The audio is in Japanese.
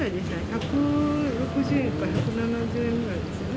１６０円か１７０円ぐらいですよね。